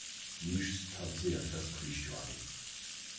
ნიშს თავზე ადგას ქვის ჯვარი.